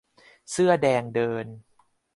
เสื้อแดงเดิน